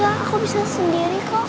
aku bisa sendiri kok